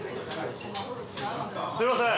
すいません！